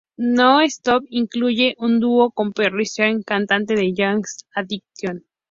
Non-Stop incluye un dúo con Perry Farrell, cantante de Jane's Addiction.